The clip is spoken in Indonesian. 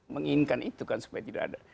menginginkan itu kan supaya tidak ada